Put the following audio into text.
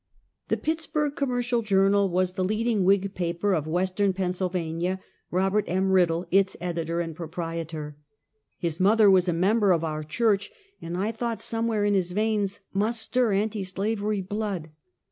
The Pittsburg Commercial Journal was the lead ing Whig paper of western Pennsylvania, Robert M. Kiddle, its editor and proj)rietor. His mother was a member of our church, and I thought somewhere in his veins must stir anti slavery blood.